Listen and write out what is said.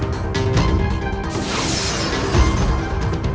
dan suamiku benar benar bertarung